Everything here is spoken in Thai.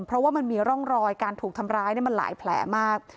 เพราะว่ามันมีร่องรอยการถูกทำร้ายมันหลายแผลมาก